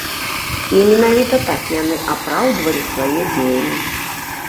І менавіта так яны апраўдвалі свае дзеянні.